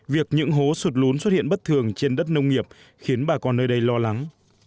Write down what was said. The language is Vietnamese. việc những hố sụt lún xuất hiện bất thường trên đất nông nghiệp khiến bà con nơi đây lo lắng